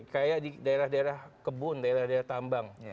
kayak di daerah daerah kebun daerah daerah tambang